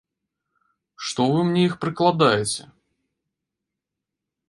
Што вы мне іх прыкладаеце?